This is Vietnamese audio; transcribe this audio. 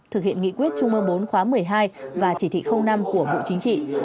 thực hiện nghị quyết chung mơ bốn khóa một mươi hai và chỉ thị năm của bộ chính trị